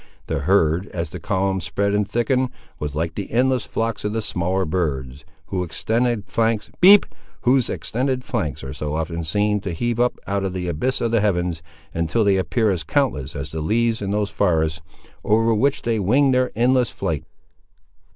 The herd, as the column spread and thickened, was like the endless flocks of the smaller birds, whose extended flanks are so often seen to heave up out of the abyss of the heavens, until they appear as countless as the leaves in those forests, over which they wing their endless flight.